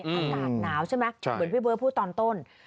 อากาศหนาวใช่ไหมเหมือนพี่เบิร์ตพูดตอนต้น